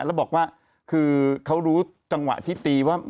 แล้วบอกว่าคือเขารู้จังหวะที่ตีว่า